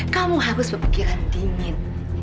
kamu harus berpikiran dingin